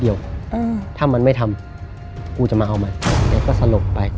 เดียวถ้ามันไม่ทำกูจะมาเอามันแล้วก็สะโหลไปเหมือน